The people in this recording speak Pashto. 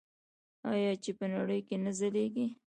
آیا چې په نړۍ کې نه ځلیږي؟